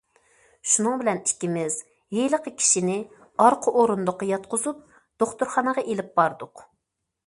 شۇنىڭ بىلەن ئىككىمىز ھېلىقى كىشىنى ئارقا ئورۇندۇققا ياتقۇزۇپ دوختۇرخانىغا ئېلىپ باردۇق.